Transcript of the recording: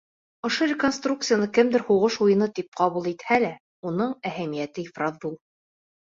Ошо реконструкцияны кемдер һуғыш уйыны тип кенә ҡабул итһә лә, уның әһәмиәте ифрат ҙур.